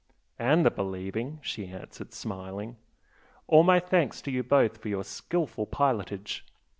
"And the believing!" she answered, smiling "All my thanks to you both for your skilful pilotage.